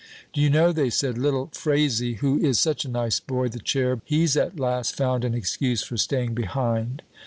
'D'you know,' they said, 'little Frazy, who is such a nice boy, the cherub, he's at last found an excuse for staying behind.